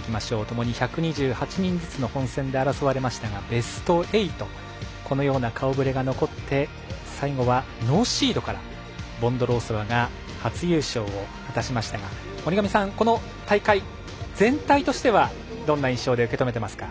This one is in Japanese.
ともに１２８人ずつの本戦で争われましたがベスト８このような顔ぶれが残って最後はノーシードからボンドロウソバが初優勝を果たしましたが森上さん、この大会全体としてはどんな印象で受け止めてますか？